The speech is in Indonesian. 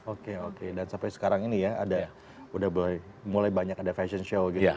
oke oke dan sampai sekarang ini ya ada udah mulai banyak ada fashion show gitu